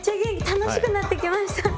楽しくなってきました！